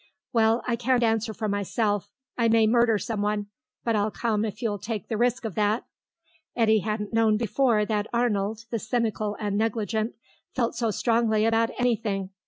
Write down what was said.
"Well, I can't answer for myself; I may murder someone; but I'll come if you'll take the risk of that." Eddy hadn't known before that Arnold, the cynical and negligent, felt so strongly about anything.